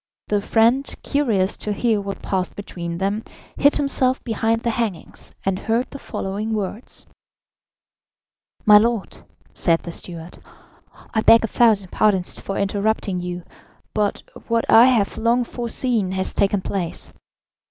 The friend, curious to hear what passed between them, hid himself behind the hangings, and heard the following words: "My lord," said the steward, "I beg a thousand pardons for interrupting you, but what I have long foreseen has taken place.